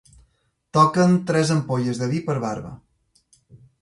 Toquen tres ampolles de vi per barba.